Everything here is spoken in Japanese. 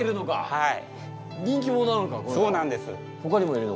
はい。